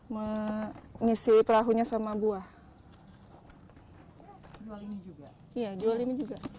mengisi perahunya sama buah